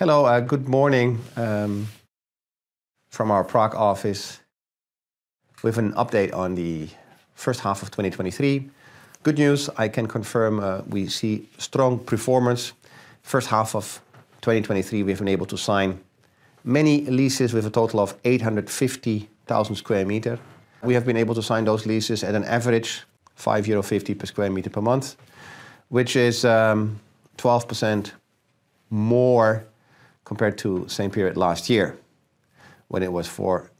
Hello, good morning, from our Prague office with an update on the first half of 2023. Good news, I can confirm, we see strong performance. First half of 2023, we've been able to sign many leases with a total of 850,000 square meter. We have been able to sign those leases at an average 5.50 euro per square meter per month, which is 12% more compared to same period last year, when it was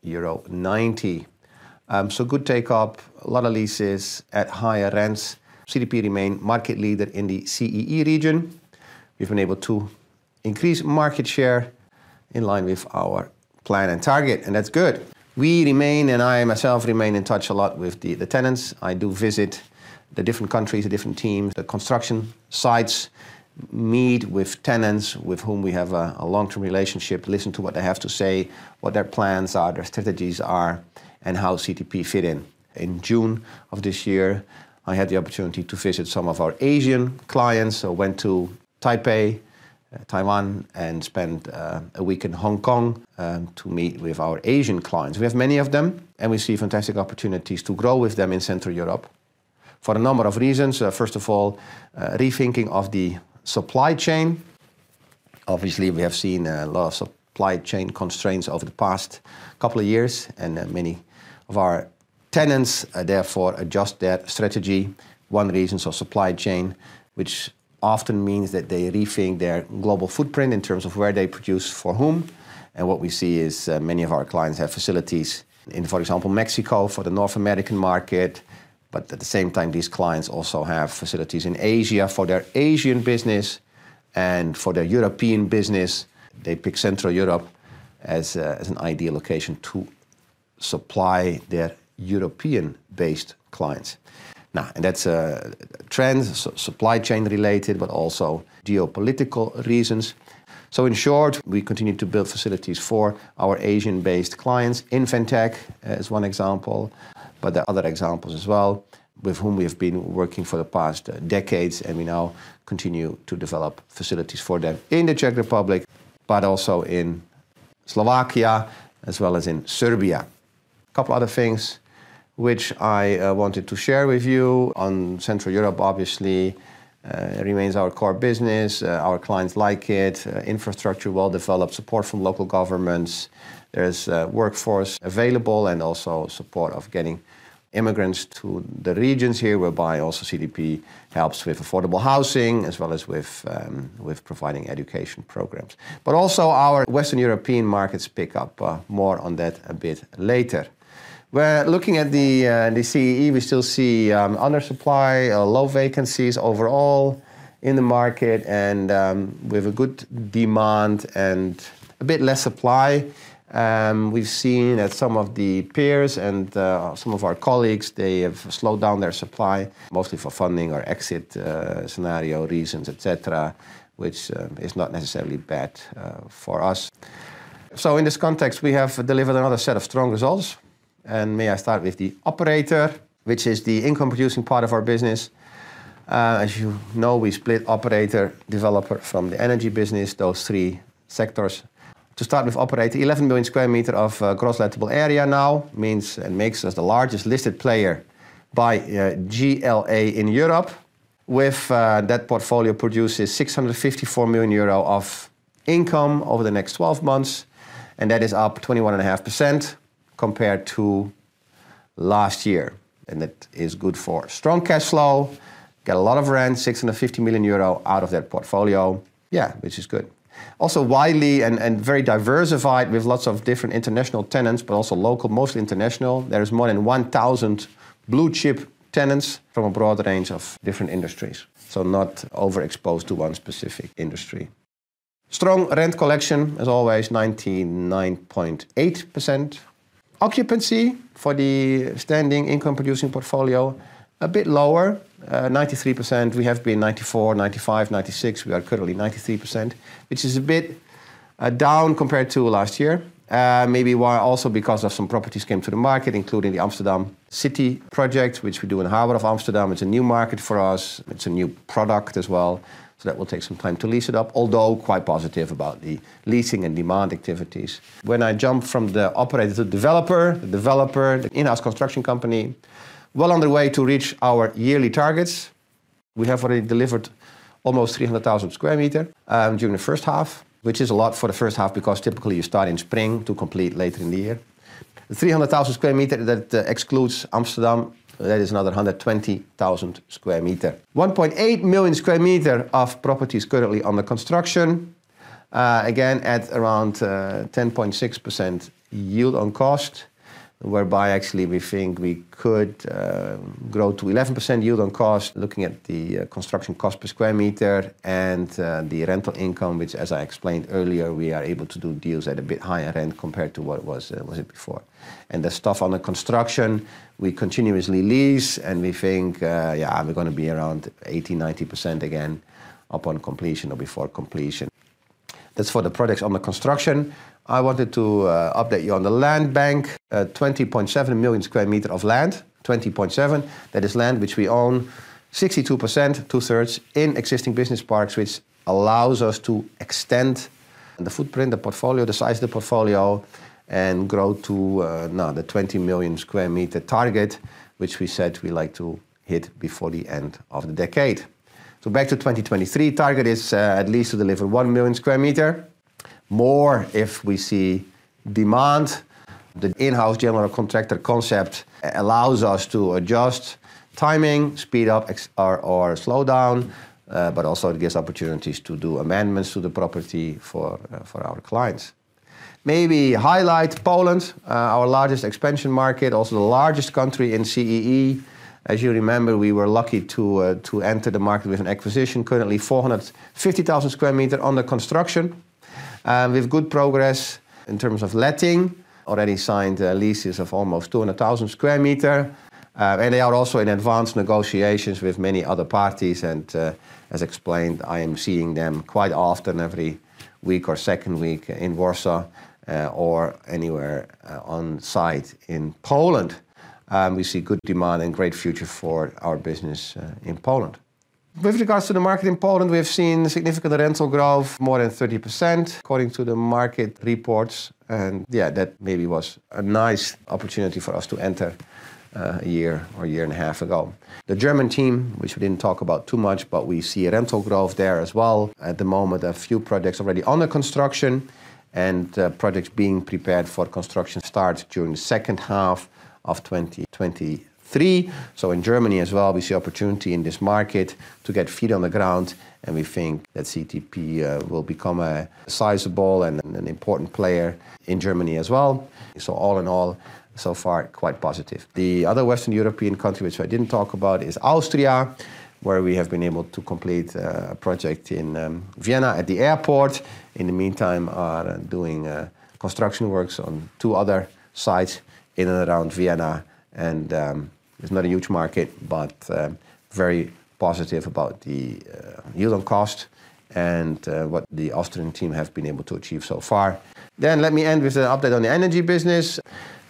euro 4.90. Good take up, a lot of leases at higher rents. CTP remain market leader in the CEE region. We've been able to increase market share in line with our plan and target, that's good. We remain, I myself remain in touch a lot with the, the tenants. I do visit the different countries, the different teams, the construction sites, meet with tenants with whom we have a, a long-term relationship, listen to what they have to say, what their plans are, their strategies are, and how CTP fit in. In June of this year, I had the opportunity to visit some of our Asian clients. I went to Taipei, Taiwan, and spent a week in Hong Kong to meet with our Asian clients. We have many of them, and we see fantastic opportunities to grow with them in Central Europe for a number of reasons. First of all, rethinking of the supply chain. Obviously, we have seen a lot of supply chain constraints over the past couple of years, and many many of our tenants, therefore, adjust their strategy. One reason, so supply chain, which often means that they rethink their global footprint in terms of where they produce for whom. What we see is, many of our clients have facilities in, for example, Mexico for the North American market, but at the same time, these clients also have facilities in Asia for their Asian business and for their European business. They pick Central Europe as an ideal location to supply their European-based clients. That's a trend, s-supply chain related, but also geopolitical reasons. In short, we continue to build facilities for our Asian-based clients. Inventec is one example, but there are other examples as well, with whom we have been working for the past decades, and we now continue to develop facilities for them in the Czech Republic, but also in Slovakia, as well as in Serbia. A couple other things which I wanted to share with you on Central Europe, obviously, remains our core business. Our clients like it, infrastructure well developed, support from local governments. There's a workforce available, and also support of getting immigrants to the regions here, whereby also CTP helps with affordable housing as well as with providing education programs. Also our Western European markets pick up. More on that a bit later. We're looking at the CEE. We still see under supply, low vacancies overall in the market, and we have a good demand and a bit less supply. We've seen that some of the peers and some of our colleagues, they have slowed down their supply, mostly for funding or exit scenario reasons, et cetera, which is not necessarily bad for us. In this context, we have delivered another set of strong results. May I start with the operator, which is the income-producing part of our business. As you know, we split operator, developer from the energy business, those three sectors. To start with operator, 11 million square meter of gross lettable area now means and makes us the largest listed player by GLA in Europe. With that portfolio produces 654 million euro of income over the next 12 months, and that is up 21.5% compared to last year. That is good for strong cash flow. Get a lot of rent, 650 million euro out of that portfolio. Yeah, which is good. Also, widely and, and very diversified with lots of different international tenants, but also local, mostly international. There is more than 1,000 blue-chip tenants from a broad range of different industries, so not overexposed to one specific industry. Strong rent collection, as always, 99.8%. Occupancy for the standing income-producing portfolio, a bit lower, 93%. We have been 94, 95, 96. We are currently 93%, which is a bit down compared to last year. Maybe why? Also because of some properties came to the market, including the Amsterdam City project, which we do in the Port of Amsterdam. It's a new market for us. It's a new product as well, so that will take some time to lease it up, although quite positive about the leasing and demand activities. When I jump from the operator to developer, the developer, the in-house construction company, well on the way to reach our yearly targets. We have already delivered almost 300,000 square meter during the first half, which is a lot for the first half, because typically you start in spring to complete later in the year. The 300,000 square meter, that excludes Amsterdam. That is another 120,000 square meter. 1.8 million square meter of property is currently under construction, again, at around 10.6% yield on cost, whereby actually we think we could grow to 11% yield on cost, looking at the construction cost per square meter and the rental income, which, as I explained earlier, we are able to do deals at a bit higher end compared to what it was, was it before. The stuff under construction, we continuously lease, and we think, yeah, we're gonna be around 80%-90% again upon completion or before completion. That's for the products under construction. I wanted to update you on the land bank. 20.7 million square meter of land, 20.7. That is land which we own. 62%, two-thirds, in existing business parks, which allows us to extend the footprint, the portfolio, the size of the portfolio, and grow to now the 20 million square meter target, which we said we'd like to hit before the end of the decade. Back to 2023, target is at least to deliver 1 million square meter, more if we see demand. The in-house general contractor concept allows us to adjust timing, speed up, or slow down, but also it gives opportunities to do amendments to the property for our clients. Maybe highlight Poland, our largest expansion market, also the largest country in CEE. As you remember, we were lucky to enter the market with an acquisition. Currently, 450,000 square meter under construction, with good progress in terms of letting. Already signed leases of almost 200,000 square meter, and they are also in advanced negotiations with many other parties. As explained, I am seeing them quite often, every week or second week in Warsaw, or anywhere on site in Poland. We see good demand and great future for our business in Poland. With regards to the market in Poland, we have seen significant rental growth, more than 30% according to the market reports, and yeah, that maybe was a nice opportunity for us to enter 1 year or a year and a half ago. The German team, which we didn't talk about too much, but we see a rental growth there as well. At the moment, a few projects already under construction, and projects being prepared for construction start during the second half of 2023. In Germany as well, we see opportunity in this market to get feet on the ground, and we think that CTP will become a sizable and an important player in Germany as well. All in all, so far, quite positive. The other Western European country, which I didn't talk about, is Austria, where we have been able to complete a project in Vienna at the airport. In the meantime, doing construction works on two other sites in and around Vienna, and it's not a huge market, but very positive about the yield on cost and what the Austrian team have been able to achieve so far. Let me end with an update on the energy business.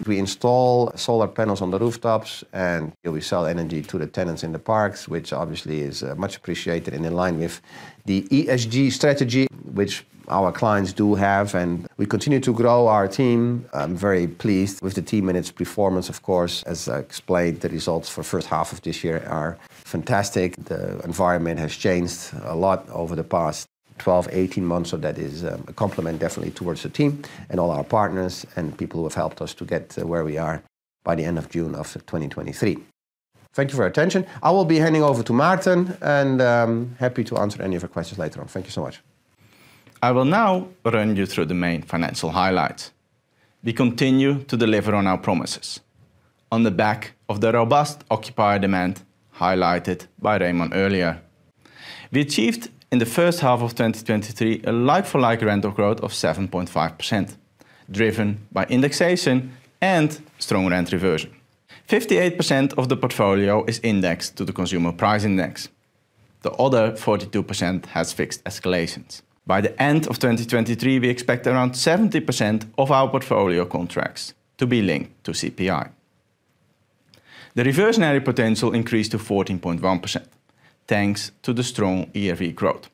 We install solar panels on the rooftops, and we sell energy to the tenants in the parks, which obviously is much appreciated and in line with the ESG strategy, which our clients do have, and we continue to grow our team. I'm very pleased with the team and its performance, of course. As I explained, the results for first half of this year are fantastic. That is a compliment definitely towards the team and all our partners and people who have helped us to get where we are by the end of June of 2023. Thank you for your attention. I will be handing over to Maarten. Happy to answer any of your questions later on. Thank you so much. I will now run you through the main financial highlights. We continue to deliver on our promises. On the back of the robust occupier demand highlighted by Remon earlier, we achieved, in the first half of 2023, a like-for-like rental growth of 7.5%, driven by indexation and strong rent reversion. 58% of the portfolio is indexed to the consumer price index. The other 42% has fixed escalations. By the end of 2023, we expect around 70% of our portfolio contracts to be linked to CPI. The reversionary potential increased to 14.1%, thanks to the strong ERV growth.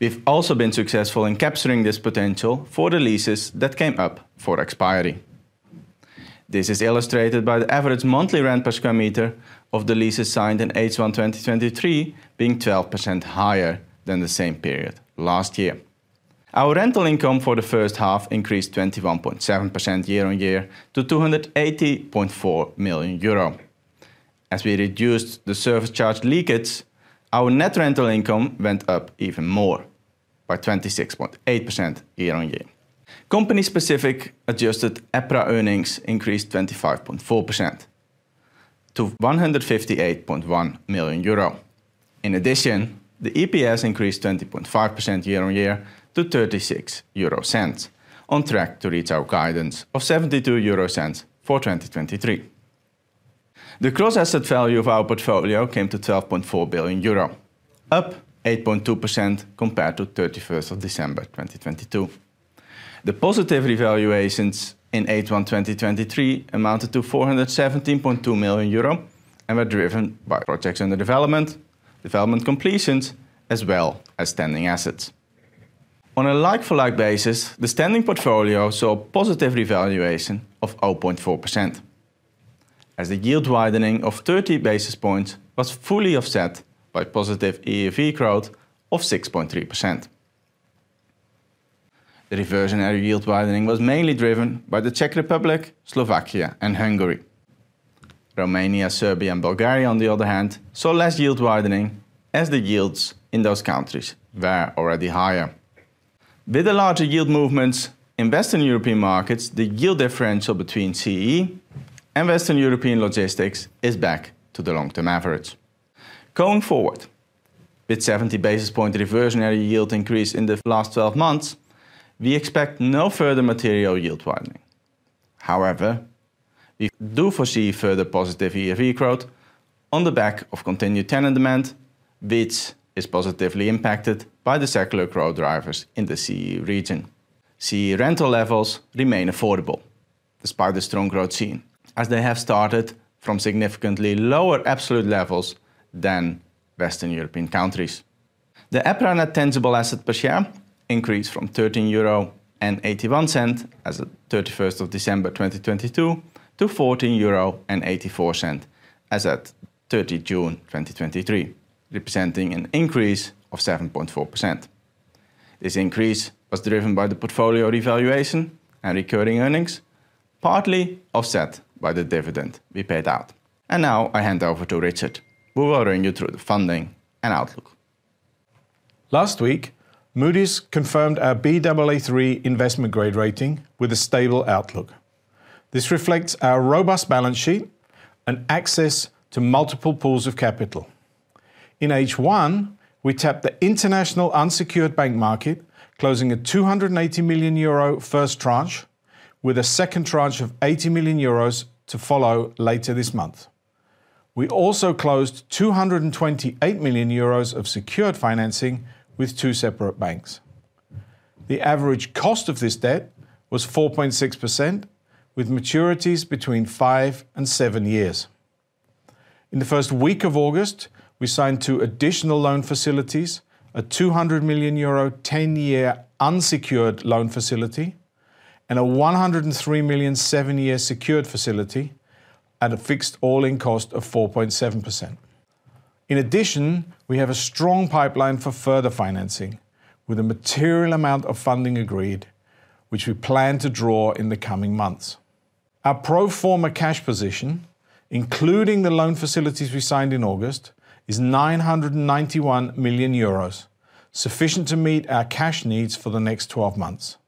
We've also been successful in capturing this potential for the leases that came up for expiry. This is illustrated by the average monthly rent per square meter of the leases signed in H1 2023 being 12% higher than the same period last year. Our rental income for the first half increased 21.7% year-on-year to 280.4 million euro. As we reduced the service charge leakages, our net rental income went up even more, by 26.8% year-on-year. Company-specific adjusted EPRA earnings increased 25.4% to 158.1 million euro. In addition, the EPS increased 20.5% year-on-year to 0.36, on track to reach our guidance of 0.72 for 2023. The gross asset value of our portfolio came to 12.4 billion euro, up 8.2% compared to 31st of December 2022. The positive revaluations in H1 2023 amounted to 417.2 million euro and were driven by projects under development, development completions, as well as standing assets. On a like-for-like basis, the standing portfolio saw a positive revaluation of 0.4%, as the yield widening of 30 basis points was fully offset by positive ERV growth of 6.3%. The reversionary yield widening was mainly driven by the Czech Republic, Slovakia, and Hungary. Romania, Serbia, and Bulgaria, on the other hand, saw less yield widening, as the yields in those countries were already higher. With the larger yield movements in Western European markets, the yield differential between CEE and Western European logistics is back to the long-term average. Going forward, with 70 basis point reversionary yield increase in the last 12 months, we expect no further material yield widening.... However, we do foresee further positive year growth on the back of continued tenant demand, which is positively impacted by the secular growth drivers in the CEE region. CEE rental levels remain affordable, despite the strong growth seen, as they have started from significantly lower absolute levels than Western European countries. The EPRA net tangible asset per share increased from 13.81 euro as of December 31, 2022, to 14.84 euro as at June 30, 2023, representing an increase of 7.4%. This increase was driven by the portfolio revaluation and recurring earnings, partly offset by the dividend we paid out. Now I hand over to Richard, who will run you through the funding and outlook. Last week, Moody's confirmed our Baa3 investment grade rating with a stable outlook. This reflects our robust balance sheet and access to multiple pools of capital. In H1, we tapped the international unsecured bank market, closing a 280 million euro first tranche, with a second tranche of 80 million euros to follow later this month. We also closed 228 million euros of secured financing with two separate banks. The average cost of this debt was 4.6%, with maturities between 5 and 7 years. In the first week of August, we signed two additional loan facilities, a 200 million euro, 10-year unsecured loan facility, and a 103 million, 7-year secured facility at a fixed all-in cost of 4.7%. In addition, we have a strong pipeline for further financing, with a material amount of funding agreed, which we plan to draw in the coming months. Our pro forma cash position, including the loan facilities we signed in August, is 991 million euros, sufficient to meet our cash needs for the next 12 months.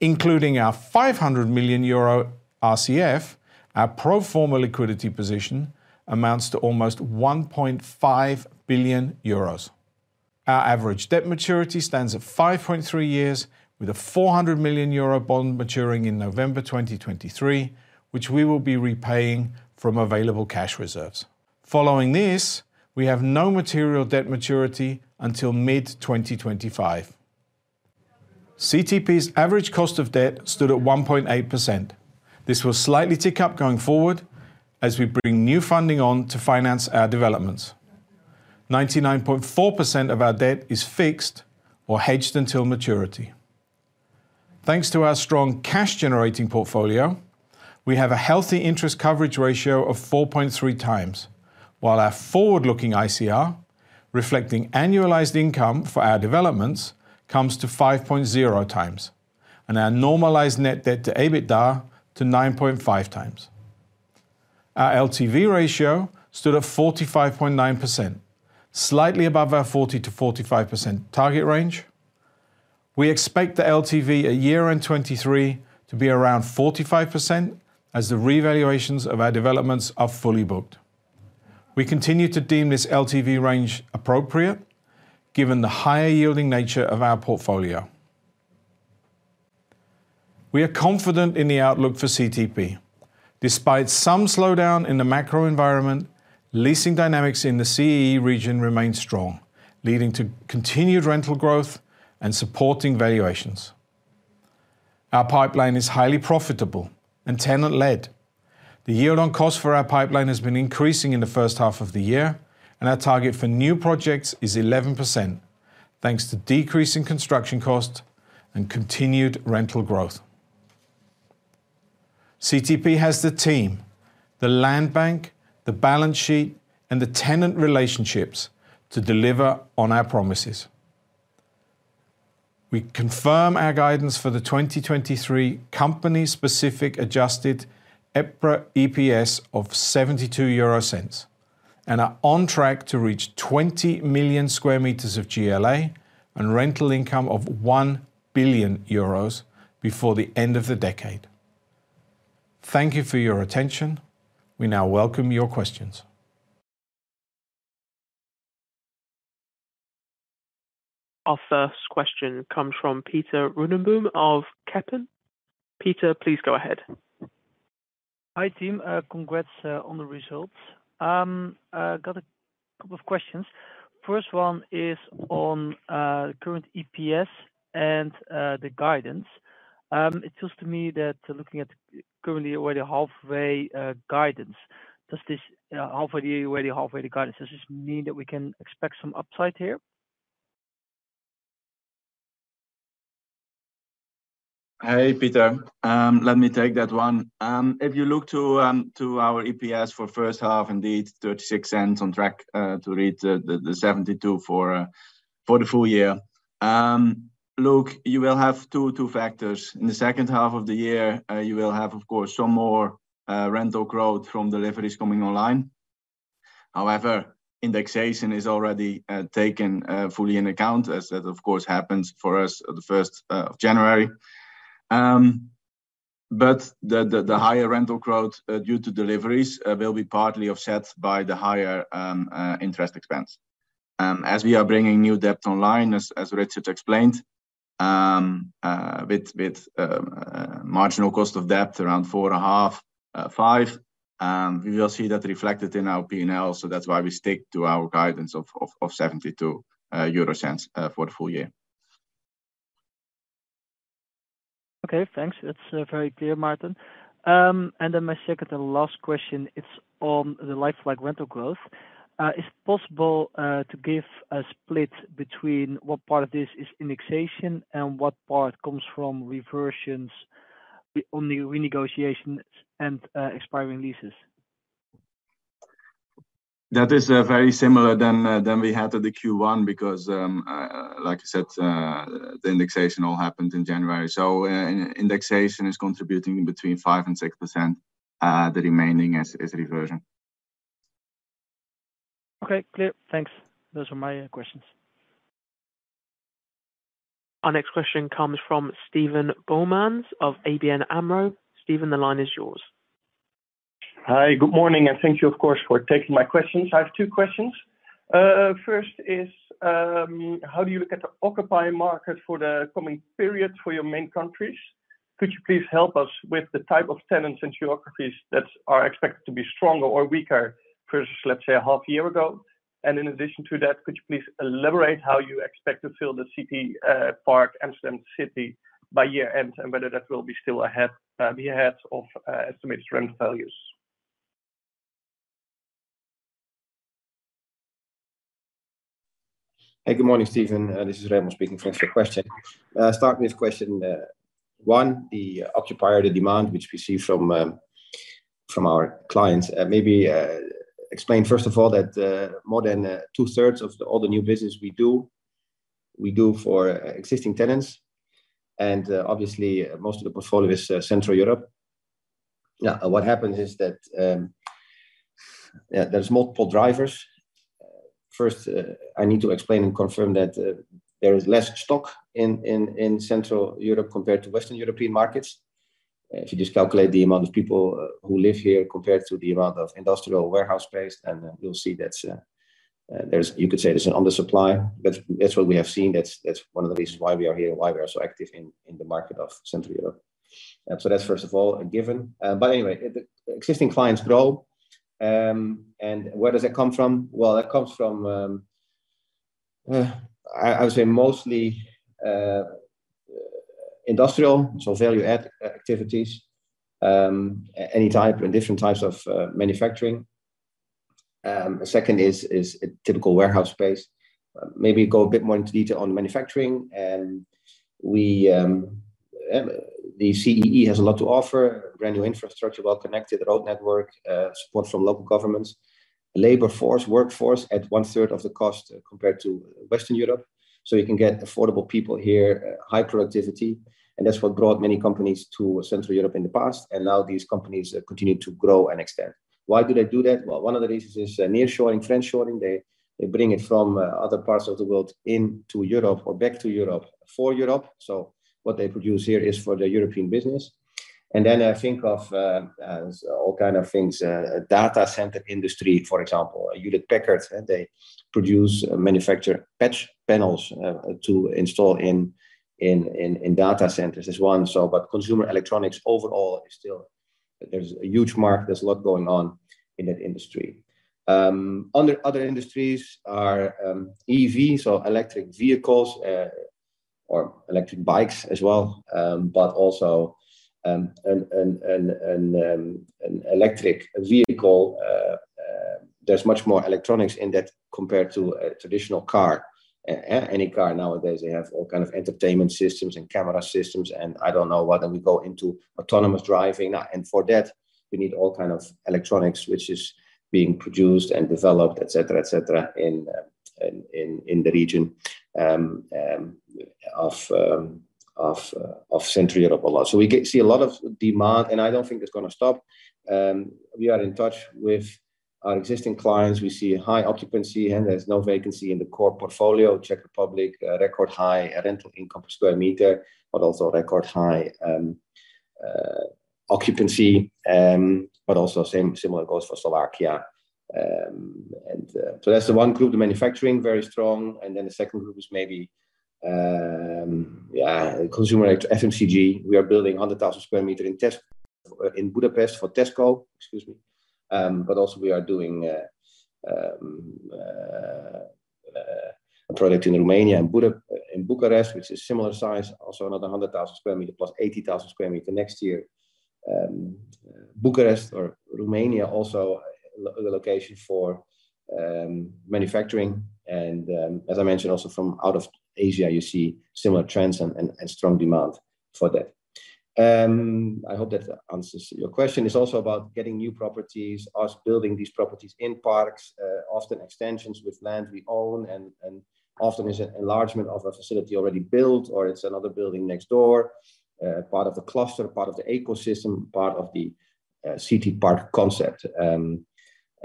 Including our 500 million euro RCF, our pro forma liquidity position amounts to almost 1.5 billion euros. Our average debt maturity stands at 5.3 years, with a 400 million euro bond maturing in November 2023, which we will be repaying from available cash reserves. Following this, we have no material debt maturity until mid-2025. CTP's average cost of debt stood at 1.8%. This will slightly tick up going forward as we bring new funding on to finance our developments. 99.4% of our debt is fixed or hedged until maturity. Thanks to our strong cash-generating portfolio, we have a healthy interest coverage ratio of 4.3 times, while our forward-looking ICR, reflecting annualized income for our developments, comes to 5.0 times, and our normalized net debt to EBITDA to 9.5 times. Our LTV ratio stood at 45.9%, slightly above our 40%-45% target range. We expect the LTV at year-end 2023 to be around 45%, as the revaluations of our developments are fully booked. We continue to deem this LTV range appropriate, given the higher-yielding nature of our portfolio. We are confident in the outlook for CTP. Despite some slowdown in the macro environment, leasing dynamics in the CEE region remain strong, leading to continued rental growth and supporting valuations. Our pipeline is highly profitable and tenant-led. The yield on cost for our pipeline has been increasing in the first half of the year, and our target for new projects is 11%, thanks to decreasing construction costs and continued rental growth. CTP has the team, the land bank, the balance sheet, and the tenant relationships to deliver on our promises. We confirm our guidance for the 2023 company-specific adjusted EPRA EPS of 0.72, and are on track to reach 20 million square meters of GLA and rental income of 1 billion euros before the end of the decade. Thank you for your attention. We now welcome your questions. Our first question comes from Pieter Runneboom of Kempen. Pieter, please go ahead. Hi, team. Congrats on the results. I've got a couple of questions. First one is on the current EPS and the guidance. It seems to me that looking at currently already halfway guidance, does this halfway there, already halfway the guidance, does this mean that we can expect some upside here? Hey, Pieter. Let me take that one. If you look to our EPS for first half, indeed, 0.36 on track to reach the 0.72 for the full year. Look, you will have 2, 2 factors. In the second half of the year, you will have, of course, some more rental growth from deliveries coming online. However, indexation is already taken fully into account, as that, of course, happens for us at the 1st of January. The higher rental growth due to deliveries will be partly offset by the higher interest expense.... as we are bringing new debt online, as Richard explained, with marginal cost of debt around 4.5, 5, we will see that reflected in our P&L. That's why we stick to our guidance of 0.72 for the full year. Okay, thanks. That's very clear, Maarten. My second and last question is on the like-for-like rental growth. Is it possible to give a split between what part of this is indexation and what part comes from reversions on the renegotiations and expiring leases? That is very similar than we had at the Q1, because, like I said, the indexation all happened in January. Indexation is contributing between 5% and 6%. The remaining is reversion. Okay, clear. Thanks. Those are my questions. Our next question comes from Steven Boumans of ABN AMRO. Steven, the line is yours. Hi, good morning, and thank you, of course, for taking my questions. I have two questions. First is, how do you look at the occupying market for the coming period for your main countries? Could you please help us with the type of tenants and geographies that are expected to be stronger or weaker versus, let's say, a half year ago? In addition to that, could you please elaborate how you expect to fill the city park, Amsterdam City by year-end, and whether that will be still ahead, be ahead of estimated rental values? Hey, good morning, Steven. This is Remon speaking. Thanks for your question. Starting with question 1, the occupier, the demand, which we see from from our clients. Maybe explain, first of all, that more than two-thirds of all the new business we do, we do for existing tenants, and obviously, most of the portfolio is Central Europe. What happens is that, yeah, there's multiple drivers. First, I need to explain and confirm that there is less stock in Central Europe compared to Western European markets. If you just calculate the amount of people who live here compared to the amount of industrial warehouse space, you'll see that you could say there's an under supply. That's, that's what we have seen. That's, that's one of the reasons why we are here, why we are so active in, in the market of Central Europe. So that's first of all a given. But anyway, the existing clients grow, and where does that come from? Well, that comes from, I, I would say mostly industrial, so value add activities, any type and different types of manufacturing. Second is, is a typical warehouse space. Maybe go a bit more into detail on manufacturing. The CEE has a lot to offer, brand new infrastructure, well-connected road network, support from local governments, labor force, workforce at 1/3 of the cost compared to Western Europe. You can get affordable people here, high productivity, and that's what brought many companies to Central Europe in the past, and now these companies continue to grow and extend. Why do they do that? Well, one of the reasons is nearshoring, friendshoring. They bring it from other parts of the world into Europe or back to Europe, for Europe. What they produce here is for the European business. I think of all kind of things, a data center industry, for example, Hewlett-Packard, and they produce, manufacture patch panels to install in data centers as one. Consumer electronics overall is still. There's a huge market. There's a lot going on in that industry. Other industries are EV, so electric vehicles, or electric bikes as well, but also an electric vehicle, there's much more electronics in that compared to a traditional car. Any car nowadays, they have all kind of entertainment systems and camera systems, and I don't know whether we go into autonomous driving. For that, we need all kind of electronics, which is being produced and developed, et cetera, et cetera, in the region of Central Europe a lot. We see a lot of demand, and I don't think it's gonna stop. We are in touch with our existing clients. We see high occupancy, and there's no vacancy in the core portfolio. Czech Republic, record high rental income per square meter, but also record high occupancy, but also similar goes for Slovakia. That's the one group, the manufacturing, very strong, and then the second group is maybe, yeah, consumer FMCG. We are building 100,000 square meter in Budapest for Tesco, excuse me. We are doing a project in Romania, in Bucharest, which is similar size, also another 100,000 square meter plus 80,000 square meter next year. Bucharest or Romania, also the location for manufacturing, as I mentioned, also from out of Asia, you see similar trends and, and, and strong demand for that. I hope that answers your question. It's also about getting new properties, us building these properties in parks, often extensions with land we own, and often is an enlargement of a facility already built, or it's another building next door, part of the cluster, part of the ecosystem, part of the city park concept,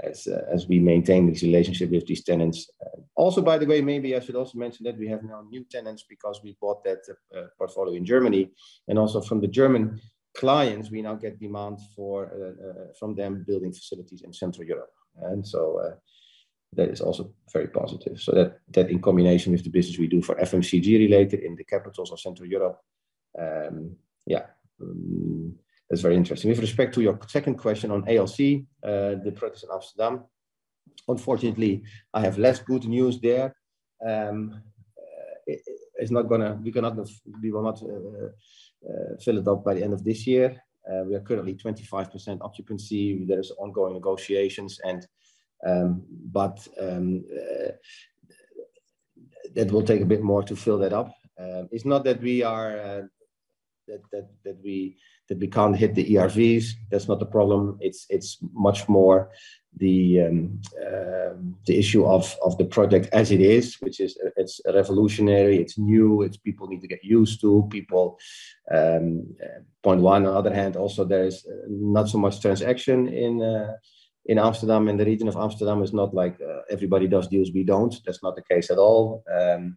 as we maintain this relationship with these tenants. Also, by the way, maybe I should also mention that we have now new tenants because we bought that portfolio in Germany, and also from the German clients, we now get demand for from them building facilities in Central Europe. That is also very positive. That, that in combination with the business we do for FMCG related in the capitals of Central Europe... yeah, that's very interesting. With respect to your second question on ALC, the practice in Amsterdam, unfortunately, I have less good news there. It's not gonna-- we cannot have-- we will not fill it up by the end of this year. We are currently 25% occupancy. There is ongoing negotiations and, but that will take a bit more to fill that up. It's not that we are... that, that, that we, that we can't hit the ERVs, that's not the problem. It's, it's much more the issue of the project as it is, which is, it's revolutionary, it's new, it's people need to get used to. People, point one. On the other hand, also, there is not so much transaction in Amsterdam, and the region of Amsterdam is not like everybody does deals we don't. That's not the case at all. There's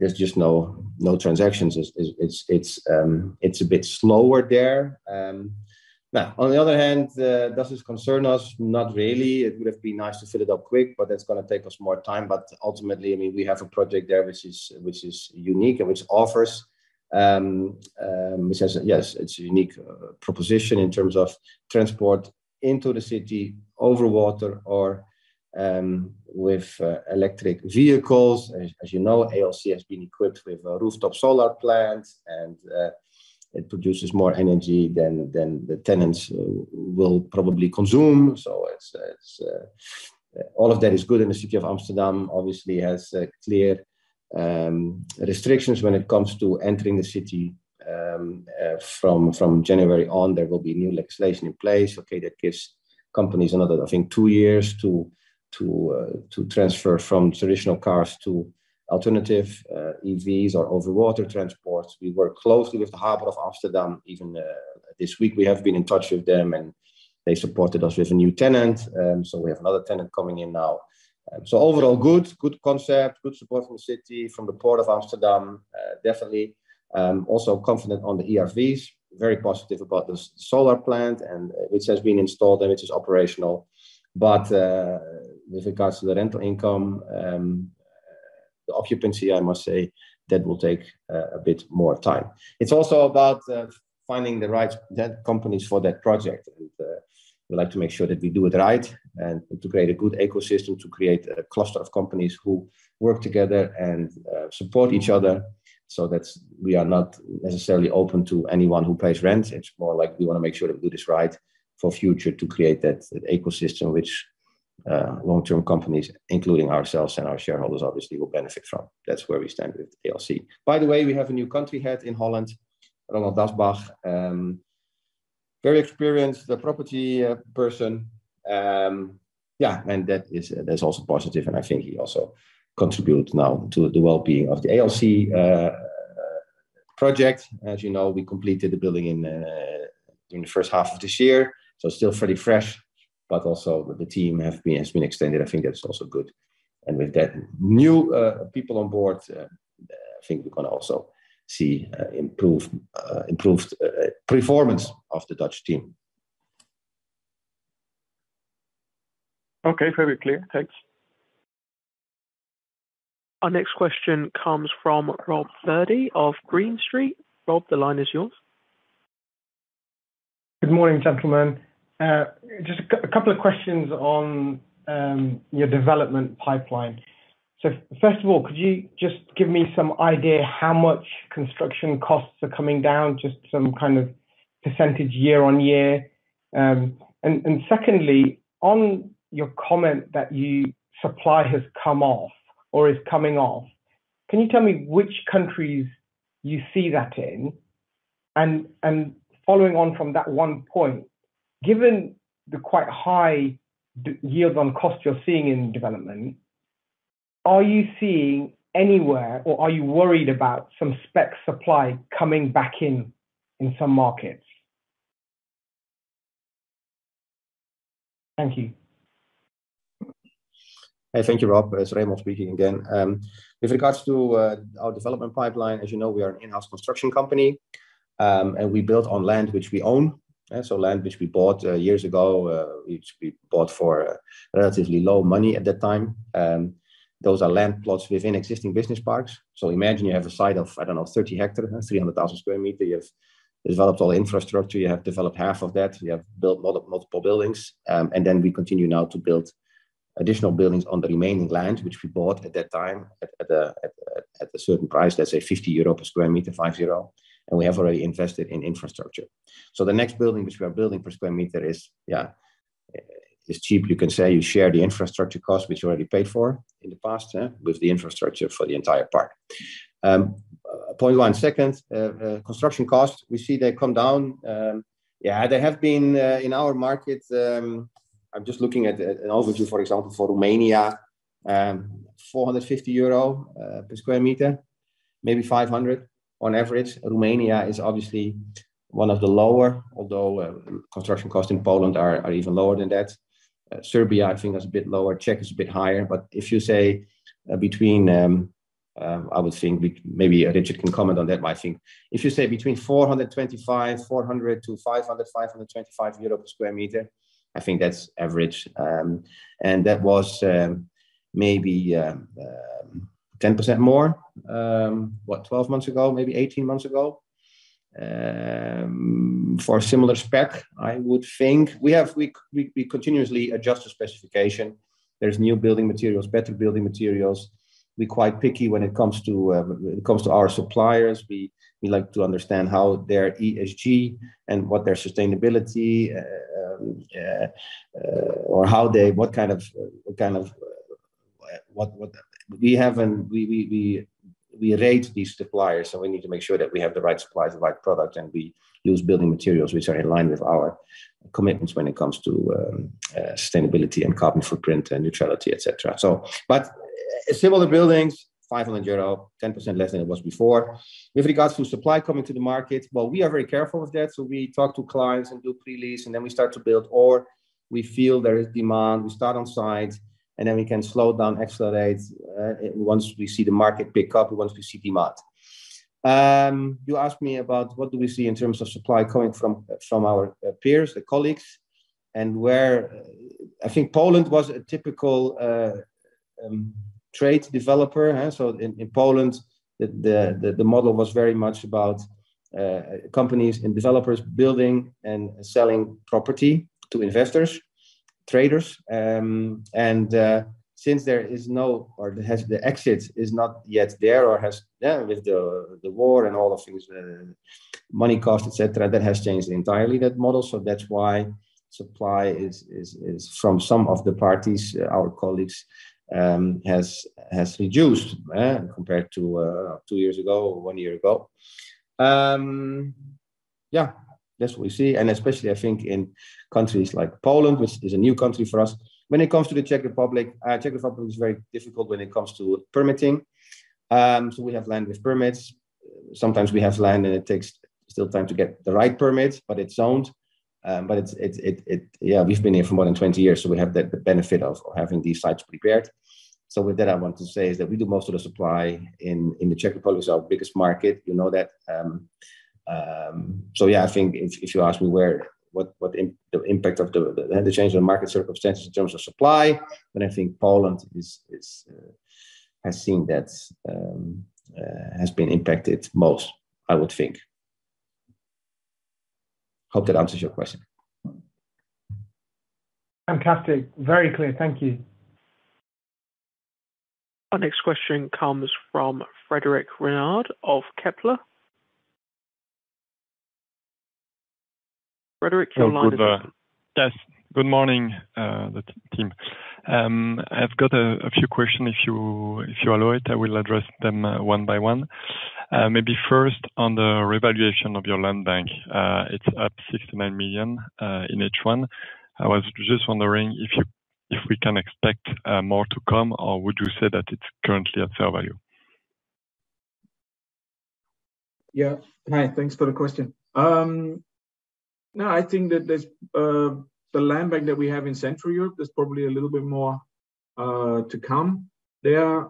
just no, no transactions. It's, it's, it's, it's a bit slower there. Now, on the other hand, does this concern us? Not really. It would have been nice to fill it up quick, but that's gonna take us more time. Ultimately, I mean, we have a project there which is, which is unique and which offers... Yes, it's a unique proposition in terms of transport into the city, over water or with electric vehicles. As, as you know, ALC has been equipped with a rooftop solar plant, and it produces more energy than, than the tenants will probably consume. All of that is good, and the city of Amsterdam obviously has clear restrictions when it comes to entering the city. From January on, there will be new legislation in place, okay, that gives companies another, I think, 2 years to transfer from traditional cars to alternative EVs or over-water transports. We work closely with the Port of Amsterdam. Even this week, we have been in touch with them, and they supported us with a new tenant. We have another tenant coming in now. Overall, good concept, good support from the city, from the Port of Amsterdam. Definitely also confident on the ERVs, very positive about the solar plant, which has been installed and which is operational. With regards to the rental income, the occupancy, I must say, that will take a bit more time. It's also about finding the right companies for that project, and we like to make sure that we do it right and to create a good ecosystem, to create a cluster of companies who work together and support each other. That's, we are not necessarily open to anyone who pays rent. It's more like we wanna make sure that we do this right for future to create that, that ecosystem, which long-term companies, including ourselves and our shareholders, obviously, will benefit from. That's where we stand with ALC. By the way, we have a new country head in Holland, Ronald Dasbach. Very experienced, the property person. Yeah, that is, that's also positive, and I think he also contributes now to the well-being of the ALC project. As you know, we completed the building in during the first half of this year, so still fairly fresh, but also the team have been, has been extended. I think that's also good. With that new people on board, I think we can also see improved, improved performance of the Dutch team. Okay, very clear. Thanks. Our next question comes from Rob Virdee of Green Street. Rob, the line is yours. Good morning, gentlemen. Just a couple of questions on your development pipeline. First of all, could you just give me some idea how much construction costs are coming down, just some kind of % year-over-year? Secondly, on your comment that you supply has come off or is coming off, can you tell me which countries you see that in? Following on from that one point, given the quite high yield on cost you're seeing in development, are you seeing anywhere, or are you worried about some spec supply coming back in in some markets? Thank you. Hey, thank you, Rob. It's Remon speaking again. With regards to our development pipeline, as you know, we are an in-house construction company, and we build on land which we own. So land which we bought years ago, which we bought for relatively low money at that time. Those are land plots within existing business parks. So imagine you have a site of, I don't know, 30 hectare, 300,000 square meter. You have developed all the infrastructure, you have developed half of that, you have built multiple, multiple buildings. And then we continue now to build additional buildings on the remaining land, which we bought at that time, at a certain price, let's say 50 euro per square meter, 5 0, and we have already invested in infrastructure. The next building, which we are building per square meter is, is cheap. You can say you share the infrastructure cost, which you already paid for in the past, with the infrastructure for the entire park. Point one, second, construction cost, we see they come down. They have been in our market. I'm just looking at an overview, for example, for Romania, 450 euro per square meter, maybe 500 on average. Romania is obviously one of the lower, although, construction costs in Poland are even lower than that. Serbia, I think, is a bit lower. Czech is a bit higher. If you say, between 425, 400-500, 525 euro per square meter, I think that's average. And that was, maybe, 10% more, what, 12 months ago, maybe 18 months ago... for a similar spec, I would think. We continuously adjust the specification. There's new building materials, better building materials. We're quite picky when it comes to, when it comes to our suppliers. We, we like to understand how their ESG and what their sustainability, what kind of... We have and we, we, we, we rate these suppliers, so we need to make sure that we have the right suppliers, the right product, and we use building materials which are in line with our commitments when it comes to sustainability and carbon footprint and neutrality, et cetera. Similar buildings, 500 euro, 10% less than it was before. With regards to supply coming to the market, well, we are very careful with that, so we talk to clients and do pre-lease, and then we start to build, or we feel there is demand, we start on site, and then we can slow down, accelerate, once we see the market pick up, once we see demand. You asked me about what do we see in terms of supply coming from, from our peers, the colleagues, and where... I think Poland was a typical trade developer, eh? In Poland, the model was very much about companies and developers building and selling property to investors, traders. Since there is no or has the exit is not yet there or has, yeah, with the war and all the things, money cost, et cetera, that has changed entirely that model. That's why supply is from some of the parties, our colleagues, has reduced compared to two years ago or one year ago. Yeah, that's what we see, and especially I think in countries like Poland, which is a new country for us. When it comes to the Czech Republic, Czech Republic is very difficult when it comes to permitting. We have land with permits. Sometimes we have land, and it takes still time to get the right permits, but it's owned. But yeah, we've been here for more than 20 years, so we have the, the benefit of, of having these sites prepared. With that, I want to say is that we do most of the supply in, in the Czech Republic, it's our biggest market, you know that. Yeah, I think if, if you ask me where, what, what the impact of the, the change in market circumstances in terms of supply, then I think Poland is, is has seen that, has been impacted most, I would think. Hope that answers your question. Fantastic. Very clear. Thank you. Our next question comes from Frédéric Renard of Kepler. Frederic, your line is- Hello, there. Yes, good morning, the t-team. I've got a few questions. If you allow it, I will address them one by one. Maybe first, on the revaluation of your land bank, it's up 69 million in H1. I was just wondering if we can expect more to come, or would you say that it's currently at fair value? Yeah. Hi, thanks for the question. No, I think that there's the land bank that we have in Central Europe, there's probably a little bit more to come there,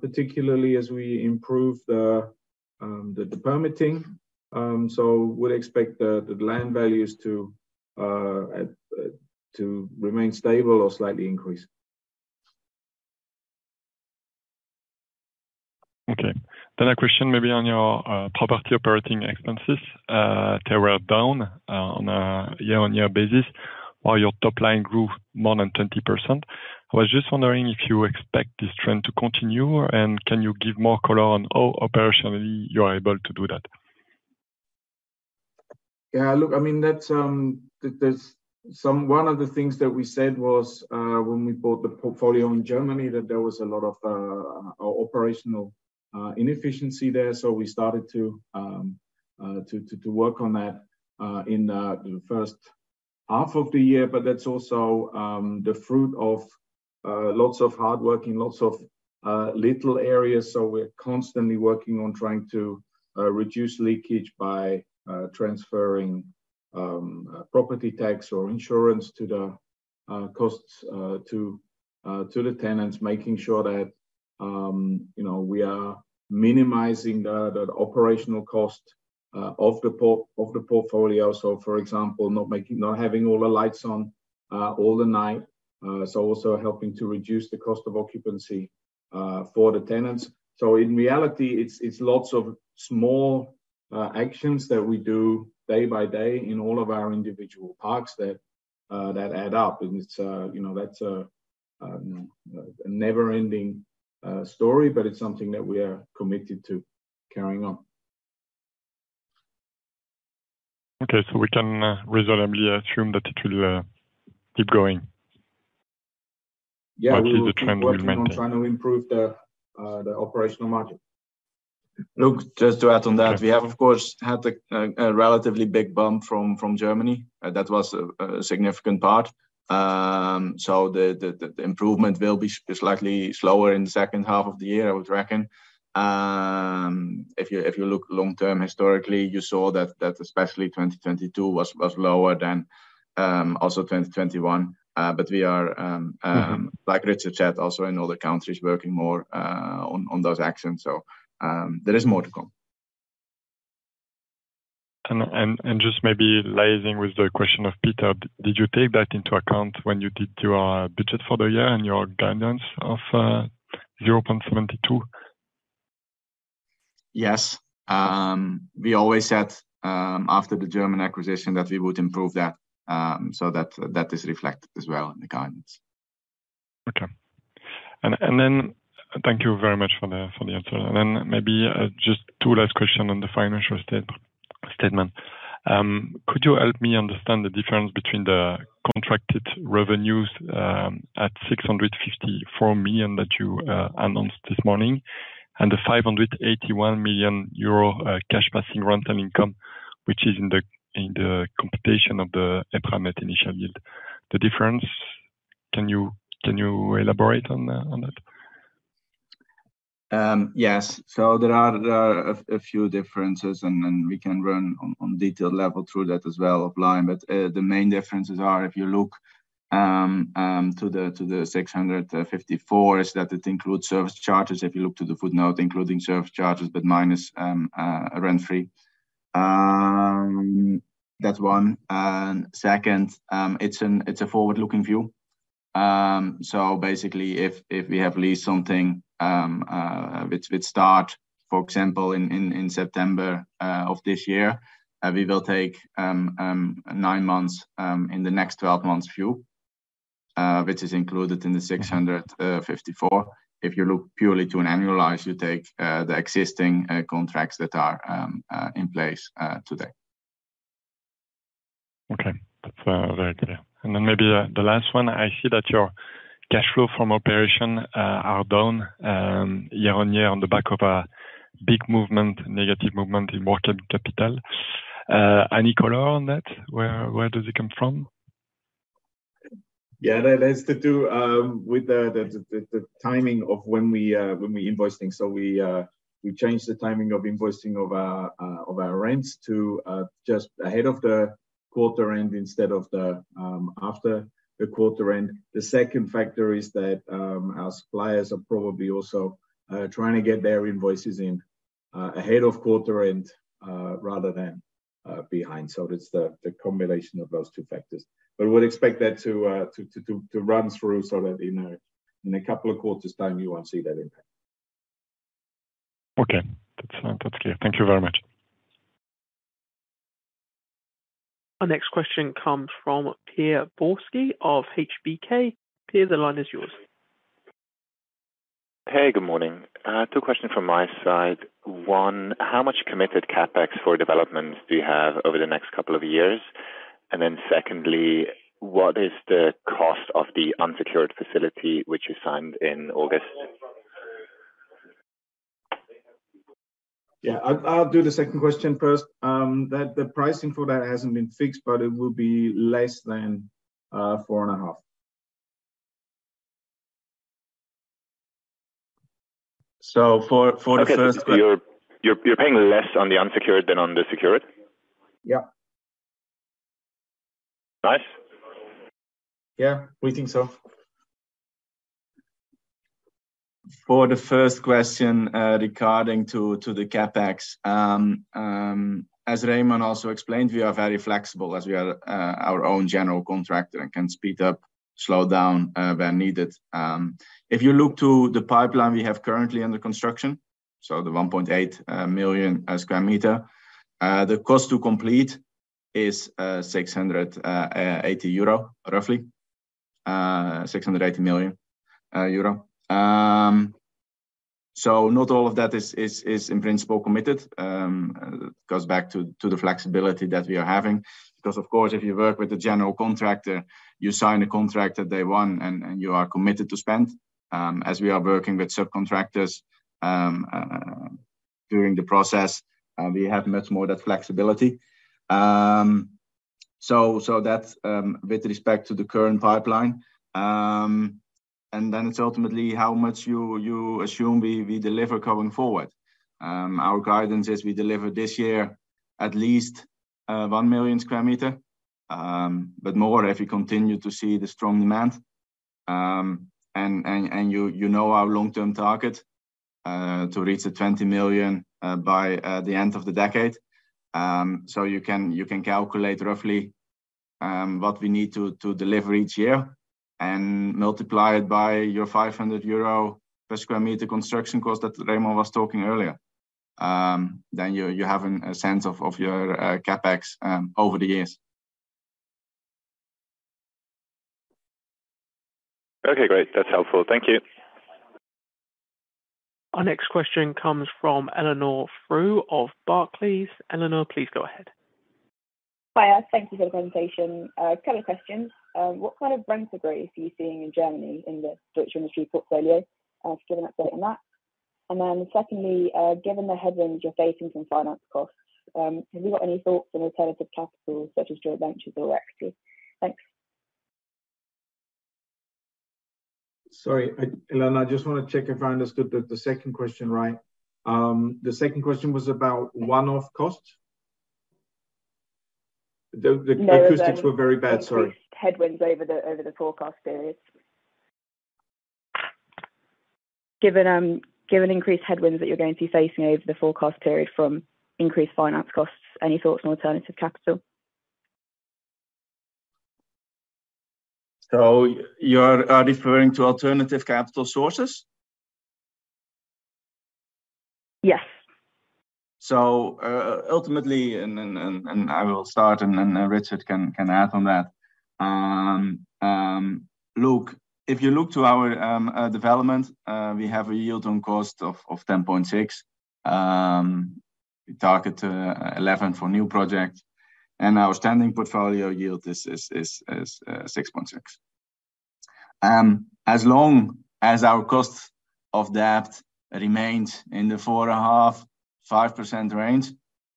particularly as we improve the permitting. We'd expect the land values to at to remain stable or slightly increase. Okay. A question maybe on your property operating expenses, they were down on a year-on-year basis, while your top line grew more than 20%. I was just wondering if you expect this trend to continue, and can you give more color on how operationally you're able to do that? Yeah, look, I mean, that's one of the things that we said was when we bought the portfolio in Germany, that there was a lot of operational inefficiency there. We started to work on that in the first half of the year. That's also the fruit of lots of hard working, lots of little areas. We're constantly working on trying to reduce leakage by transferring property tax or insurance to the costs to the tenants. Making sure that, you know, we are minimizing the operational cost of the portfolio. For example, not making, not having all the lights on, all the night, is also helping to reduce the cost of occupancy for the tenants. In reality, it's, it's lots of small actions that we do day by day in all of our individual parks that add up. It's, you know, that's a never-ending story, but it's something that we are committed to carrying on. Okay, we can reasonably assume that it will keep going? Yeah. ...keep working and maintain trying to improve the, the operational margin. Look, just to add on that. Yeah... we have, of course, had a relatively big bump from Germany. That was a significant part. The improvement will be slightly slower in the second half of the year, I would reckon. If you look long-term, historically, you saw that especially 2022 was lower than also 2021. We are- Mm-hmm like Richard said, also in other countries, working more on, on those actions. There is more to come. Just maybe liaising with the question of Pieter, did you take that into account when you did your budget for the year and your guidance of 0.72? Yes. We always said, after the German acquisition that we would improve that, so that, that is reflected as well in the guidance. Okay. Thank you very much for the, for the answer. Maybe, just two last questions on the financial statement. Could you help me understand the difference between the contracted revenues, at 654 million that you announced this morning, and the 581 million euro cash passing rental income, which is in the, in the computation of the EPRA initial yield? The difference, can you, can you elaborate on that? Yes. There are a few differences, and then we can run on detailed level through that as well offline. The main differences are, if you look to the 654, is that it includes service charges. If you look to the footnote, including service charges, but minus rent-free. That's one. Second, it's a forward-looking view. If we have leased something which would start, for example, in September of this year, we will take 9 months in the next 12 months view, which is included in the 654. If you look purely to an annualize, you take the existing contracts that are in place today. Okay. That's very clear. Maybe the last one, I see that your cash flow from operation are down year-over-year on the back of a big movement, negative movement in working capital. Any color on that? Where, where does it come from? Yeah. That has to do with the timing of when we invoice things. We change the timing of invoicing of our rents to just ahead of the quarter end, instead of the after the quarter end. The second factor is that our suppliers are probably also trying to get their invoices in ahead of quarter end, rather than behind. It's the combination of those 2 factors. We'd expect that to run through so that in a couple of quarters time, you won't see that impact. Okay. That's, that's clear. Thank you very much. Our next question come from Pierre Borski of HBK. Pierre, the line is yours. Hey, good morning. Two questions from my side. One, how much committed CapEx for developments do you have over the next couple of years? Secondly, what is the cost of the unsecured facility which you signed in August? Yeah, I'll, I'll do the second question first. That the pricing for that hasn't been fixed, but it will be less than 4.5. For, for the first- Okay. You're, you're, you're paying less on the unsecured than on the secured? Yeah. Nice. Yeah, we think so. For the first question, regarding to, to the CapEx, as Remon also explained, we are very flexible as we are, our own general contractor and can speed up, slow down, when needed. If you look to the pipeline we have currently under construction, so the 1.8 million square meter, the cost to complete is 680 euro, roughly. 680 million euro. Not all of that is, is, is in principle committed. It goes back to, to the flexibility that we are having, because, of course, if you work with a general contractor, you sign a contract at day one, and, and you are committed to spend. As we are working with subcontractors, during the process, we have much more of that flexibility. So that's with respect to the current pipeline. Then it's ultimately how much you, you assume we, we deliver going forward. Our guidance is we deliver this year at least 1 million square meter, but more if we continue to see the strong demand. And, and you, you know our long-term target to reach the 20 million by the end of the decade. You can, you can calculate roughly what we need to, to deliver each year and multiply it by your 500 euro per square meter construction cost that Remon was talking earlier. Then you, you have a sense of, of your CapEx over the years. Okay, great. That's helpful. Thank you. Our next question comes from Eleanor Frew of Barclays. Eleanor, please go ahead. Hiya. Thank you for the presentation. A couple of questions. What kind of rent upgrades are you seeing in Germany, in the Deutsche Industrie portfolio? Just give an update on that. Secondly, given the headwinds you're facing from finance costs, have you got any thoughts on alternative capital, such as joint ventures or equity? Thanks. Sorry, Eleanor, I just want to check if I understood the second question right. The second question was about one-off costs? The acoustics were very bad, sorry. Headwinds over the, over the forecast period. Given, given increased headwinds that you're going to be facing over the forecast period from increased finance costs, any thoughts on alternative capital? You are referring to alternative capital sources? Yes. Ultimately, and I will start, and then Richard can add on that. Look, if you look to our development, we have a yield on cost of 10.6. We target 11 for new projects, and our standing portfolio yield is 6.6. As long as our cost of debt remains in the 4.5%-5% range,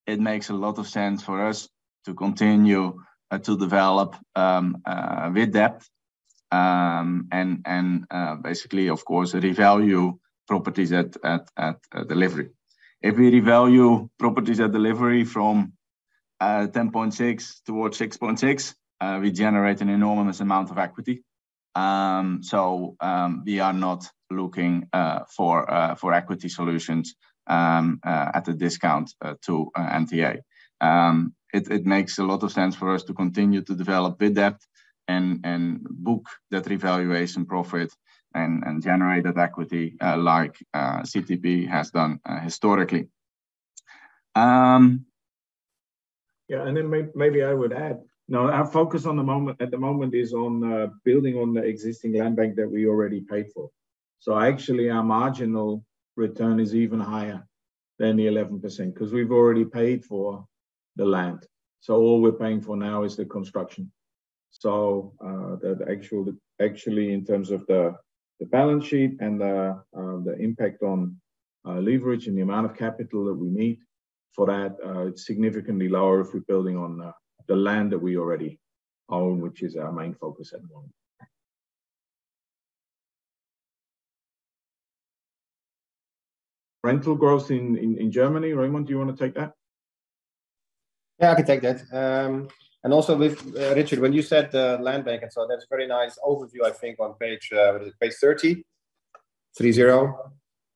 it makes a lot of sense for us to continue to develop with debt. Basically, of course, revalue properties at delivery. If we revalue properties at delivery from 10.6 towards 6.6, we generate an enormous amount of equity. We are not looking for for equity solutions at a discount to NTA. It makes a lot of sense for us to continue to develop with debt and and book that revaluation profit and and generate that equity like CTP has done historically. Maybe I would add. Our focus at the moment is on building on the existing land bank that we already paid for. Actually, our marginal return is even higher than the 11%, 'cause we've already paid for the land. All we're paying for now is the construction. Actually, in terms of the balance sheet and the impact on leverage and the amount of capital that we need for that, it's significantly lower if we're building on the land that we already own, which is our main focus at the moment. Rental growth in, in, in Germany, Remon, do you want to take that? Yeah, I can take that. Also with Richard, when you said, land bank, and so that's a very nice overview, I think, on page, what is it? Page 30. Yep.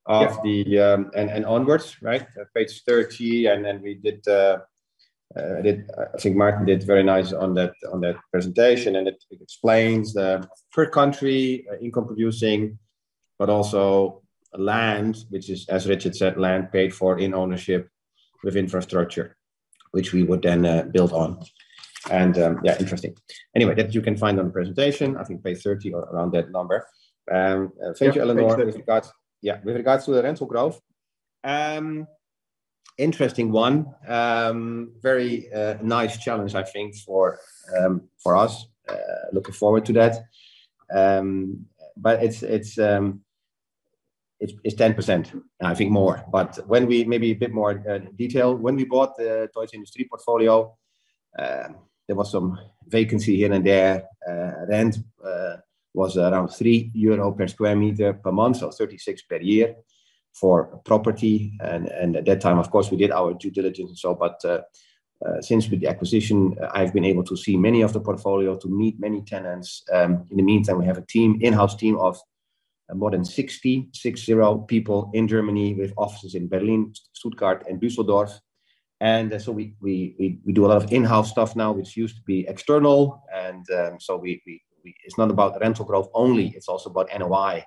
Of the... and onwards, right? page 30, and then we did, I think Maarten did very nice on that, on that presentation, and it explains the per country, income producing, but also land, which is, as Richard said, land paid for in ownership with infrastructure, which we would then, build on. Yeah, interesting. Anyway, that you can find on the presentation, I think page 30 or around that number. Thank you, Eleanor. Yeah, page 30. With regards... Yeah, with regards to the rental growth, interesting one. Very nice challenge, I think, for us. Looking forward to that. It's, it's, it's 10%, I think more. When we... Maybe a bit more detail. When we bought the Deutsche Industrie portfolio, there was some vacancy here and there. Rent was around 3 euro per square meter per month, so 36 per year for property. At that time, of course, we did our due diligence and so, but since with the acquisition, I've been able to see many of the portfolio, to meet many tenants. In the meantime, we have a team, in-house team of more than 60 people in Germany, with offices in Berlin, Stuttgart, and Düsseldorf. We do a lot of in-house stuff now, which used to be external. It's not about rental growth only, it's also about NOI.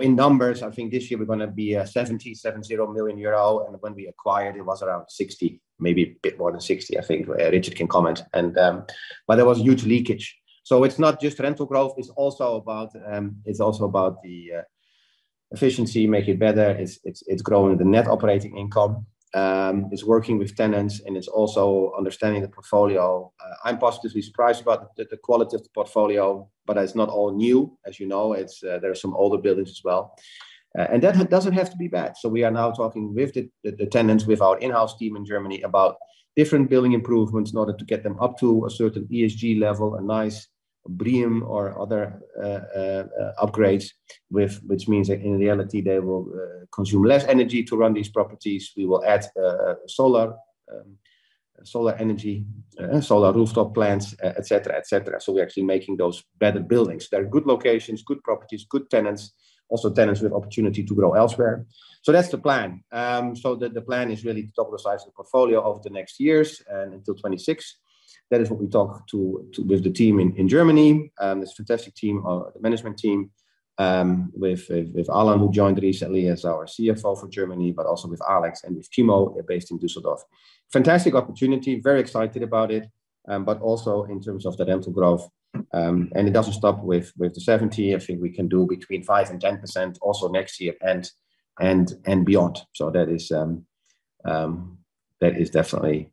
In numbers, I think this year we're gonna be 70 million euro, and when we acquired, it was around 60 million, maybe a bit more than 60 million, I think. Richard can comment. There was huge leakage. It's not just rental growth, it's also about, it's also about the efficiency, make it better. It's growing the net operating income. It's working with tenants, and it's also understanding the portfolio. I'm positively surprised about the quality of the portfolio, but it's not all new, as you know. It's, there are some older buildings as well, and that doesn't have to be bad. We are now talking with the tenants, with our in-house team in Germany, about different building improvements in order to get them up to a certain ESG level, a nice BREEAM or other upgrades, which means that in reality, they will consume less energy to run these properties. We will add solar, solar energy, solar rooftop plants, et cetera, et cetera. We're actually making those better buildings. They're good locations, good properties, good tenants, also tenants with opportunity to grow elsewhere. That's the plan. The plan is really to double the size of the portfolio over the next years and until 2026. That is what we talk to... With the team in, in Germany. This fantastic team, the management team, with, with, with Alan, who joined recently as our CFO for Germany, but also with Alex and with Timo, based in Düsseldorf. Fantastic opportunity, very excited about it, but also in terms of the rental growth. It doesn't stop with, with the 70. I think we can do between 5% and 10% also next year and, and, and beyond. That is, that is definitely,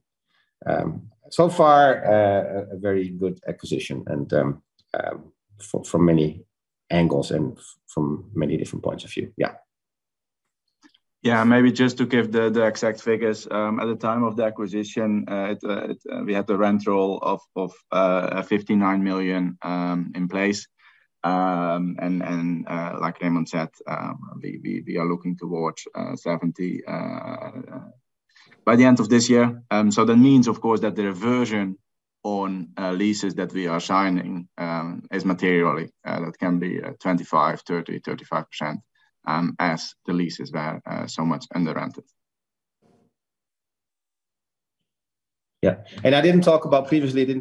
so far, a, a very good acquisition, and, from, from many angles and from many different points of view. Yeah. Yeah, maybe just to give the exact figures. At the time of the acquisition, it, it, we had the rent roll of 59 million in place. Like Remon said, we are looking towards 70 million by the end of this year. So that means, of course, that the reversion on leases that we are signing is materially, that can be 25%, 30%, 35%, as the leases were so much under rented. Yeah, previously, I didn't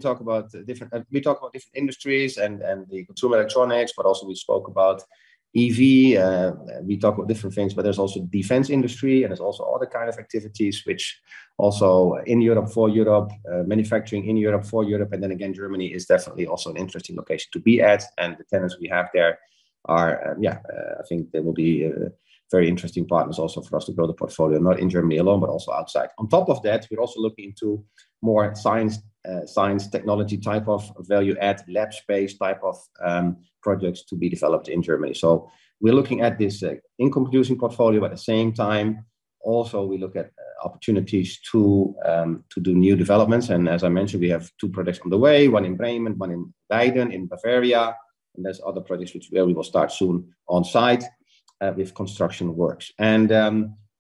talk about different, we talked about different industries and the consumer electronics, but also we spoke about EV. We talked about different things, but there's also defense industry, and there's also other kind of activities which also in Europe, for Europe, manufacturing in Europe, for Europe. Then again, Germany is definitely also an interesting location to be at, and the tenants we have there are, yeah, I think they will be very interesting partners also for us to build a portfolio, not in Germany alone, but also outside. On top of that, we're also looking into more science, science, technology type of value add, lab space type of, projects to be developed in Germany. We're looking at this income-producing portfolio, at the same time, also, we look at opportunities to do new developments. As I mentioned, we have 2 projects on the way, one in Bremen, one in Weiden, in Bavaria. There's other projects where we will start soon on site with construction works.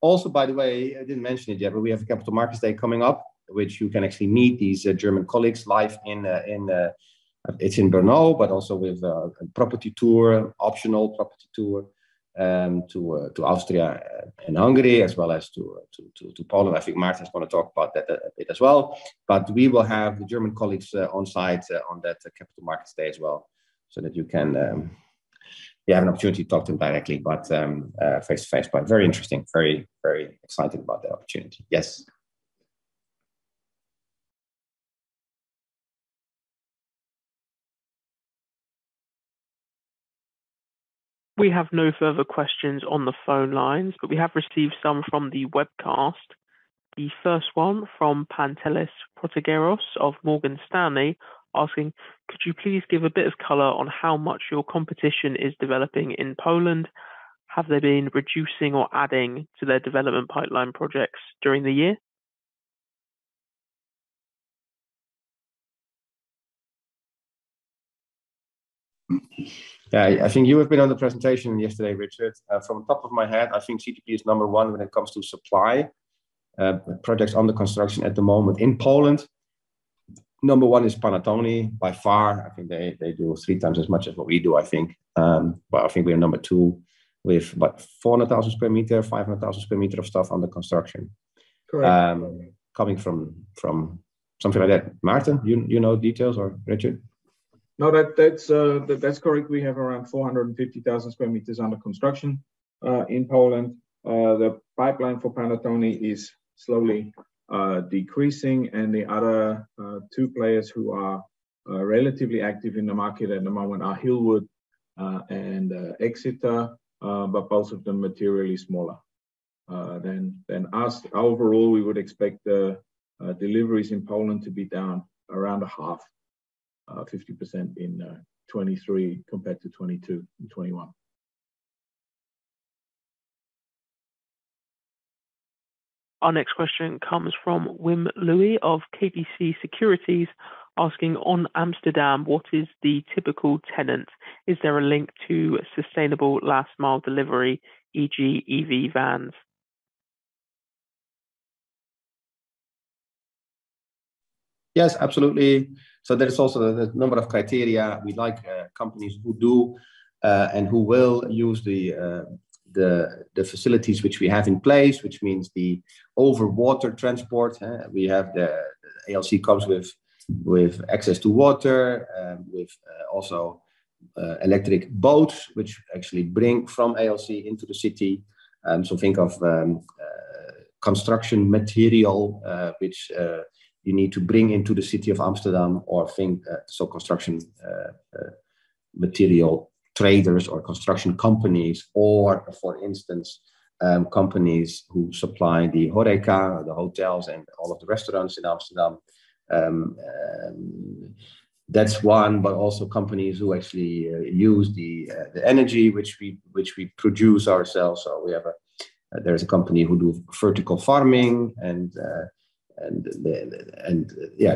Also, by the way, I didn't mention it yet, but we have a Capital Markets Day coming up, which you can actually meet these German colleagues live in. It's in Brno, but also with a property tour, optional property tour, to Austria and Hungary, as well as to Poland. I think Maarten is going to talk about that a bit as well. We will have the German colleagues, on site on that Capital Markets Day as well, so that you can, you have an opportunity to talk to them directly, but, face-to-face. Very interesting, very, very excited about the opportunity. Yes. We have no further questions on the phone lines, but we have received some from the webcast. The first one from Pantelis Protogeros of Morgan Stanley, asking: "Could you please give a bit of color on how much your competition is developing in Poland? Have they been reducing or adding to their development pipeline projects during the year? Yeah, I think you have been on the presentation yesterday, Richard. From the top of my head, I think CTP is number one when it comes to supply, projects under construction at the moment. In Poland, number one is Panattoni, by far. I think they, they do 3 times as much as what we do, I think. But I think we are number two with about 400,000 square meter, 500,000 square meter of stuff under construction. Correct. coming from, from something like that. Maarten, you, you know, details or Richard? No, that, that's correct. We have around 450,000 square meters under construction in Poland. The pipeline for Panattoni is slowly decreasing, and the other two players who are relatively active in the market at the moment are Hillwood and Exeter, but both of them materially smaller than us. Overall, we would expect the deliveries in Poland to be down around a half, 50% in 2023 compared to 2022 and 2021. Our next question comes from Wim Lewi of KBC Securities, asking, "On Amsterdam, what is the typical tenant? Is there a link to sustainable last mile delivery, e.g., EV vans? Yes, absolutely. There is also a number of criteria. We like companies who do and who will use the facilities which we have in place, which means the over-water transport. We have ALC comes with access to water, with also electric boats, which actually bring from ALC into the city. Think of construction material, which you need to bring into the city of Amsterdam, or think, so construction material traders or construction companies, or for instance, companies who supply the HoReCa the hotels and all of the restaurants in Amsterdam. That's one, but also companies who actually use the energy which we, which we produce ourselves. There is a company who do vertical farming,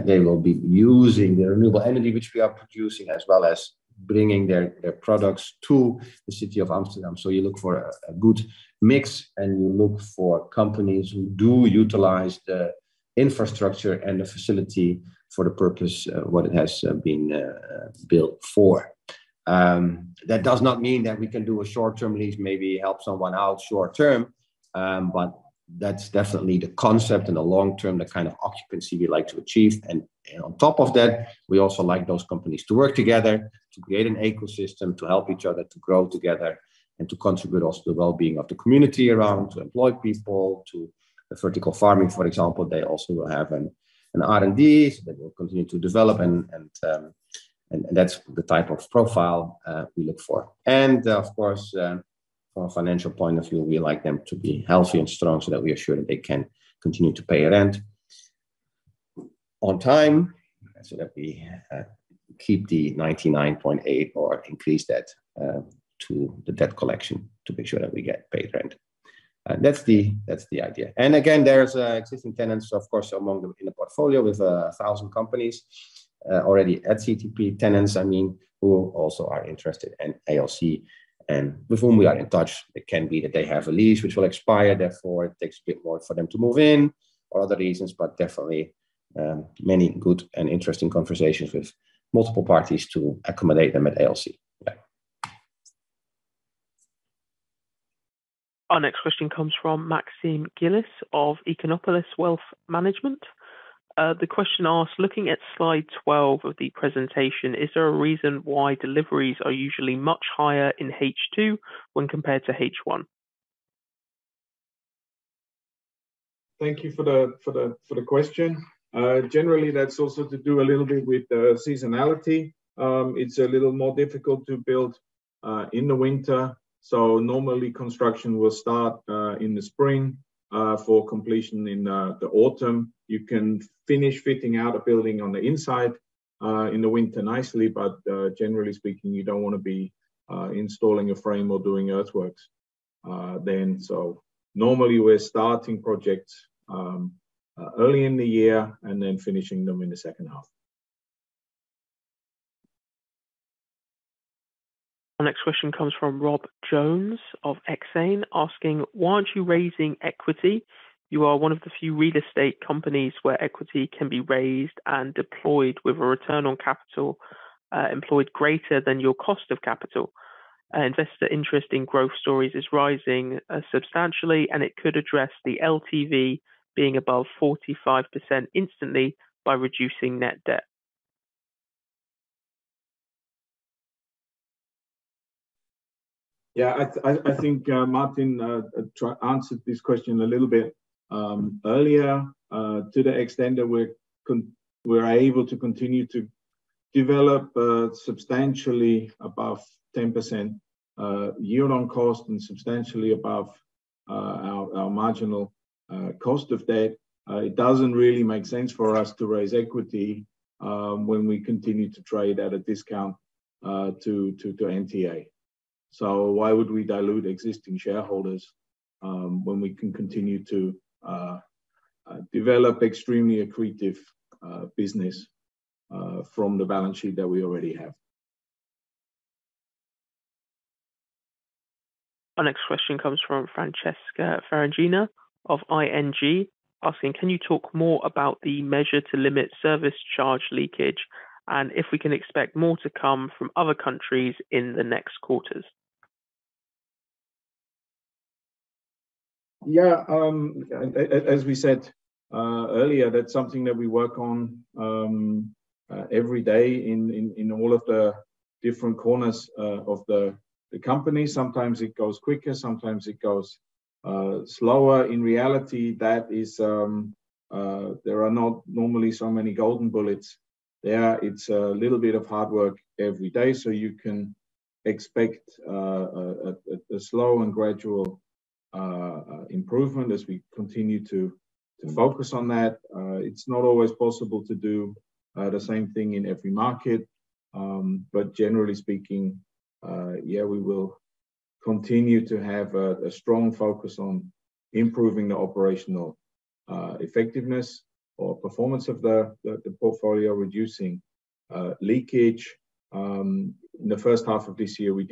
they will be using the renewable energy which we are producing, as well as bringing their products to the city of Amsterdam. You look for a good mix, and you look for companies who do utilize the infrastructure and the facility for the purpose what it has been built for. That does not mean that we can do a short-term lease, maybe help someone out short term, but that's definitely the concept in the long term, the kind of occupancy we like to achieve. On top of that, we also like those companies to work together to create an ecosystem, to help each other, to grow together, and to contribute also to the well-being of the community around, to employ people. The vertical farming, for example, they also will have an R&D, so they will continue to develop. That's the type of profile we look for. Of course, from a financial point of view, we like them to be healthy and strong so that we are sure that they can continue to pay their rent on time, so that we keep the 99.8% or increase that to the debt collection to make sure that we get paid rent. That's the, that's the idea. Again, there's existing tenants, of course, in the portfolio with 1,000 companies already at CTP, tenants, I mean, who also are interested in ALC and with whom we are in touch. It can be that they have a lease which will expire, therefore, it takes a bit more for them to move in or other reasons, but definitely, many good and interesting conversations with multiple parties to accommodate them at ALC. Yeah. Our next question comes from Maxim Gilis of Econopolis Wealth Management. The question asks: Looking at slide 12 of the presentation, is there a reason why deliveries are usually much higher in H2 when compared to H1? Thank you for the, for the, for the question. Generally, that's also to do a little bit with seasonality. It's a little more difficult to build in the winter, so normally construction will start in the spring for completion in the autumn. You can finish fitting out a building on the inside in the winter nicely, but generally speaking, you don't wanna be installing a frame or doing earthworks then. Normally we're starting projects early in the year and then finishing them in the second half. Our next question comes from Rob Jones of Exane, asking: Why aren't you raising equity? You are one of the few real estate companies where equity can be raised and deployed with a return on capital, employed greater than your cost of capital. Investor interest in growth stories is rising, substantially, and it could address the LTV being above 45% instantly by reducing net debt. Yeah, I, I, I think Maarten try- answered this question a little bit earlier. To the extent that we're con- we're able to continue to develop substantially above 10% year on cost and substantially above our, our marginal cost of debt. It doesn't really make sense for us to raise equity when we continue to trade at a discount to, to, to NTA. So why would we dilute existing shareholders when we can continue to develop extremely accretive business from the balance sheet that we already have? Our next question comes from Francesca Ferragina of ING, asking: Can you talk more about the measure to limit service charge leakage, and if we can expect more to come from other countries in the next quarters? Yeah, as we said earlier, that's something that we work on every day in all of the different corners of the company. Sometimes it goes quicker, sometimes it goes slower. In reality, that is, there are not normally so many golden bullets there. It's a little bit of hard work every day, so you can expect a slow and gradual improvement as we continue to focus on that. It's not always possible to do the same thing in every market. But generally speaking, yeah, we will continue to have a strong focus on improving the operational effectiveness or performance of the portfolio, reducing leakage. In the first half of this year, we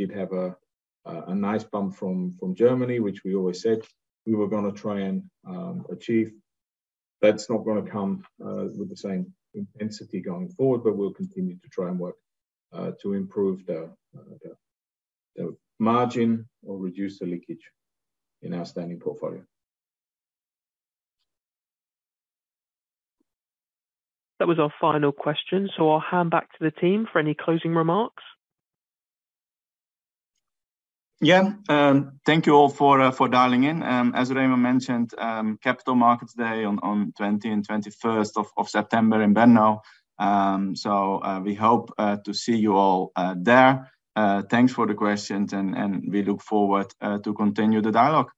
did have a nice bump from Germany, which we always said we were going to try and achieve. That's not going to come with the same intensity going forward, but we'll continue to try and work to improve the the margin or reduce the leakage in our standing portfolio. That was our final question, so I'll hand back to the team for any closing remarks. Yeah, thank you all for dialing in. As Remon mentioned, Capital Markets Day on 20 and 21st of September in Brno. We hope to see you all there. Thanks for the questions, and we look forward to continue the dialogue.